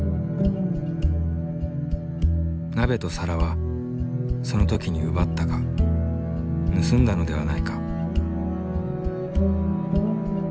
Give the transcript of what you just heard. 鍋と皿はその時に奪ったか盗んだのではないか？